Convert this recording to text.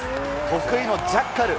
得意のジャッカル。